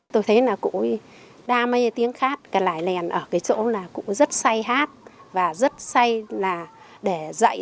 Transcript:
tôi thấy là cụ đa mấy tiếng khác cái lài lèn ở cái chỗ là cũng rất say hát và rất say là để dạy